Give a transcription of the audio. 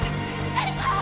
誰か！